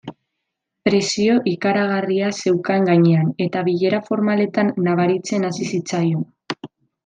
Presio ikaragarria zeukan gainean eta bilera formaletan nabaritzen hasi zitzaion.